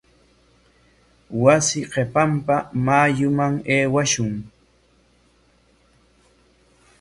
Wasi qipanpa mayuman aywashun.